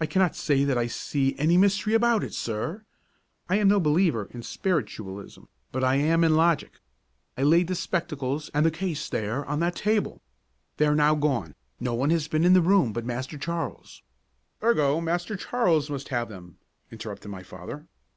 "I cannot say that I see any mystery about it, sir; I am no believer in spiritualism, but I am in logic. I laid the spectacles and case there on that table. They are now gone no one has been in the room but Master Charles." "Ergo, Master Charles must have them," interrupted my father.